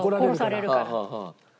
殺されるから。